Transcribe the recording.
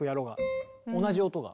同じ音が。